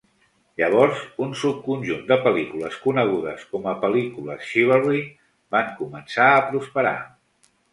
Llavors, un subconjunt de pel·lícules conegudes com o pel·lícules "chivalry" van començar a prosperar.